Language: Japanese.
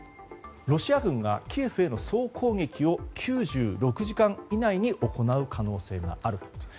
ロシア軍がキエフへの総攻撃を９６時間以内に行う可能性があると。